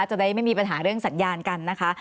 จะได้ไม่มีปัญหาเรื่องสัญญาณกันนะคะ